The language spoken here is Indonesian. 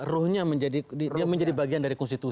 ruhnya menjadi bagian dari konstitusi